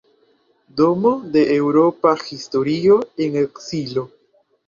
Domo de eŭropa historio en ekzilo.